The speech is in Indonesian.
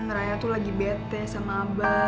hmm raya tuh lagi bete sama abah